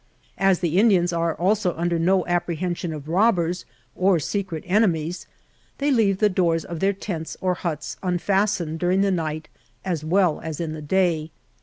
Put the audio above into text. "As the Indians are also under no apprehension of robbers, or secret enemies, they leave the doors of their tents or huts unfastened during the night, as well as in the day.